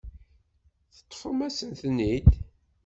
Teṭṭfem-asen-ten-id.